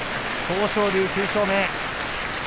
豊昇龍９勝目です。